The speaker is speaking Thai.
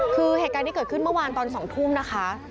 คือเหตุการณ์ที่เกิดขึ้นเมื่อวานตอน๒ทุ่มนะคะ